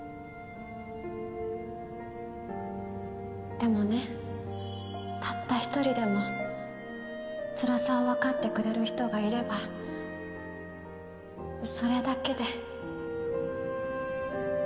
でもねたった一人でもつらさをわかってくれる人がいればそれだけで。